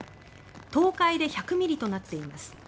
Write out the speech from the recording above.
東海で１００ミリとなっています。